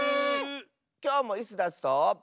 きょうもイスダスと。